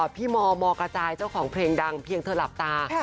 พี่มมกระจายเจ้าของเพลงดังเพียงเธอหลับตา